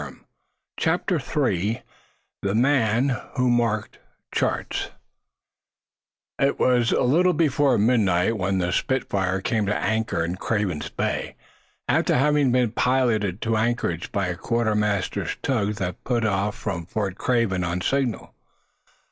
_" CHAPTER III THE MAN WHO MARKED CHARTS It was a little before midnight when the "Spitfire" came to anchor in Craven's Bay, after having been piloted to anchorage by a quartermaster's tug that put off from Fort Craven on signal.